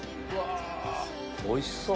おいしそう！